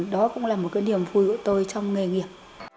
đó cũng là một cái niềm vui của tôi trong nghề nghiệp